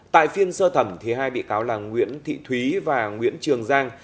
tại phiên sơ thẩm hai bị cáo là nguyễn thị thúy và nguyễn trường giang